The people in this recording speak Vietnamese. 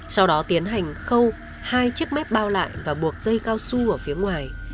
sau đó tiến hành khâu hai chiếc mép bao lại và buộc dây cao su ở phía ngoài